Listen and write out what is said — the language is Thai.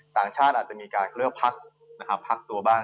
ต่างชาติอาจจะมีการเคลือบพักตัวบ้าง